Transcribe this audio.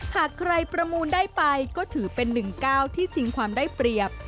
หากใครประมูลได้ไปก็ถือเป็น๑๙ที่ชิงความได้เปรียบ